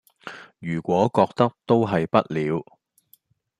如果覺得都係不了